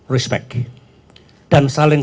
respect dan saling